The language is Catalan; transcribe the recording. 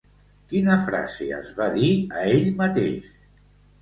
Quina frase es va dir a ell mateix?